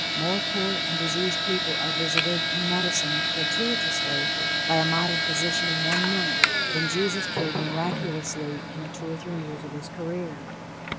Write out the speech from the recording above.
More poor and diseased people are visited and medicined gratuitously by a modern physician in one month, than Jesus cured miraculously in the two or three years of his career.